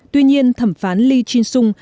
tuy nhiên thẩm phán lee chin sung